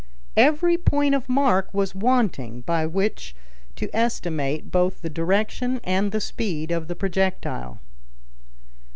Every point of mark was wanting by which to estimate both the direction and the speed of the projectile.